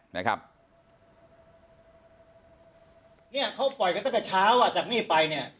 นี่เขาปล่อยกันตั้งแต่เช้าจากนี้ไป